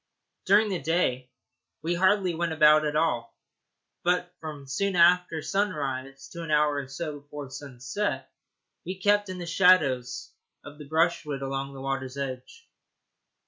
During the day we hardly went about at all, but from soon after sunrise to an hour or so before sunset we kept in the shadow of the brushwood along the water's edge.